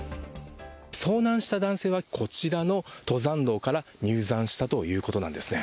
遭難した男性はこちらの登山道から入山したということなんです。